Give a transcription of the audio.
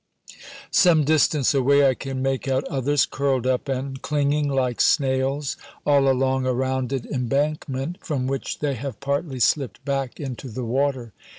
Some distance away I can make out others, curled up and clinging like snails all along a rounded embankment, from which they have partly slipped back into the water.